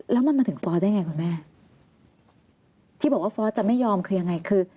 แล้วมันมาถึงฟอร์สได้ไงคุณแม่ที่บอกว่าฟอร์สจะไม่ยอมคือยังไงคือ